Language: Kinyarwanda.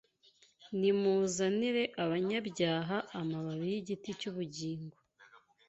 Nimuzanire abanyabyaha amababi y’igiti cy’ubugingo